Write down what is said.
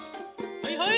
はいはい。